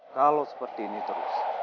kalau seperti ini terus